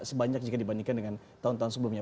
sebanyak jika dibandingkan dengan tahun tahun sebelumnya